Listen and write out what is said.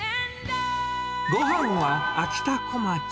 ごはんはあきたこまち。